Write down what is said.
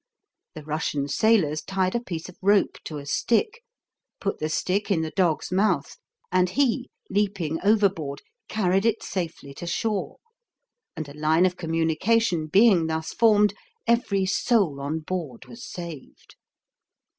The Russian sailors tied a piece of rope to a stick, put the stick in the dog's mouth, and he, leaping overboard, carried it safely to shore, and a line of communication being thus formed, every soul on board was saved.